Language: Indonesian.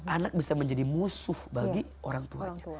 anak bisa menjadi musuh bagi orang tuanya